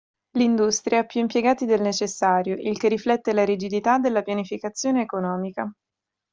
L'industria ha più impiegati del necessario, il che riflette la rigidità della pianificazione economica.